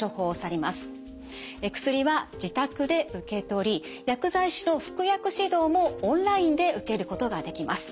薬は自宅で受け取り薬剤師の服薬指導もオンラインで受けることができます。